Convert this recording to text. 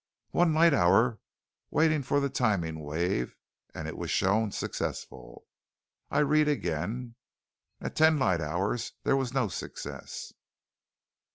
"One light hour, waiting for the timing wave, and it was shown successful. I read again: "'At ten light hours, there was no success.